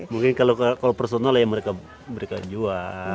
mungkin kalau personal ya mereka jual